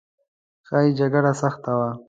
ښایي جګړه سخته وه.